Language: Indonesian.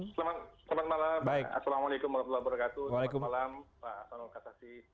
selamat malam assalamualaikum warahmatullahi wabarakatuh selamat malam pak asanul kasasi